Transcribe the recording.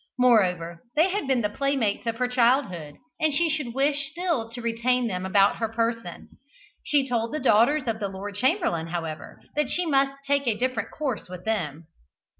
Moreover, they had been the playmates of her childhood, and she should wish still to retain them about her person. She told the daughters of the Lord Chamberlain, however, that she must take a different course with them.